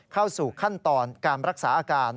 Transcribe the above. เข้าสู่ขั้นตอนการรักษาอาการ